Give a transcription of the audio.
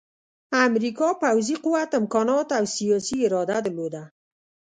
امریکا پوځي قوت، امکانات او سیاسي اراده درلوده